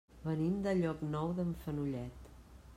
Venim de Llocnou d'en Fenollet.